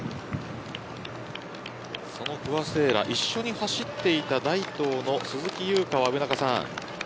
不破聖衣来、一緒に走っていた大東の鈴木優花は。